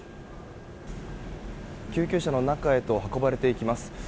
救急車の中へと運ばれていきます。